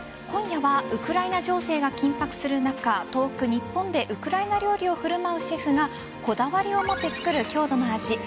今夜はウクライナ情勢が緊迫する中遠く日本でウクライナ料理を振る舞うシェフがこだわりを持って作る郷土の味。